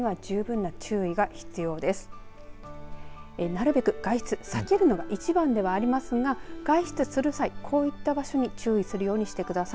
なるべく外出避けるのが一番ではありますが外出する際こういった場所に注意するようにしてください。